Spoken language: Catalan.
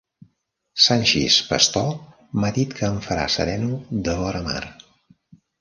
Sanxis pastor m'ha dit que em farà sereno de vora mar.